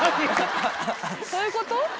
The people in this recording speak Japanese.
そういうこと？